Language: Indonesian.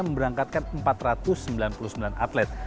memberangkatkan empat ratus sembilan puluh sembilan atlet